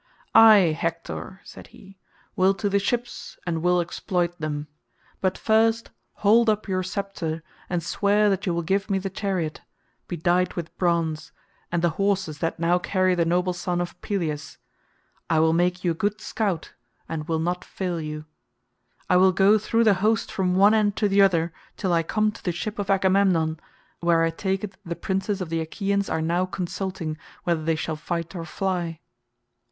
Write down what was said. "I, Hector," said he, "Will to the ships and will exploit them. But first hold up your sceptre and swear that you will give me the chariot, bedight with bronze, and the horses that now carry the noble son of Peleus. I will make you a good scout, and will not fail you. I will go through the host from one end to the other till I come to the ship of Agamemnon, where I take it the princes of the Achaeans are now consulting whether they shall fight or fly."